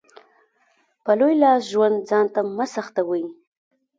په لوی لاس ژوند ځانته مه سخوئ.